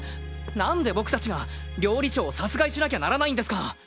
なんで僕たちが料理長を殺害しなきゃならないんですか！